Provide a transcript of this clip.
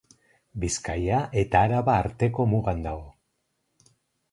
Bizkaia eta Araba arteko mugan dago.